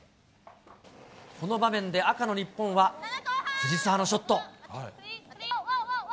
この場面で赤の日本は、藤澤のショット。